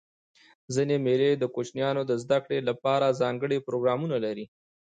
ځيني مېلې د کوچنيانو د زدهکړي له پاره ځانګړي پروګرامونه لري.